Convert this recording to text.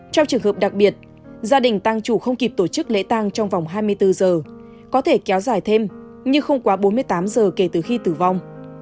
trong trường hợp đặc biệt gia đình tang chủ không kịp tổ chức lễ tang trong vòng hai mươi bốn h có thể kéo dài thêm như không quá bốn mươi tám h kể từ khi tử vong